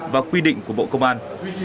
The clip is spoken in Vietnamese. và quy định của bộ công an